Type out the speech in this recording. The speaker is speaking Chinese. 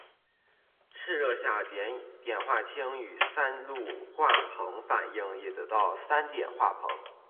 赤热下碘化氢与三氯化硼反应也得到三碘化硼。